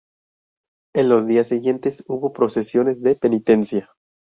En los días siguientes hubo procesiones de penitencia.